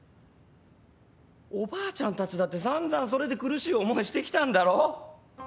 おばあちゃんたちだって散々それで苦しい思いしてきたんだろ。